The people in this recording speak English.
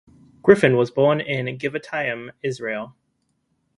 Griffin was born in Givatayim, Israel.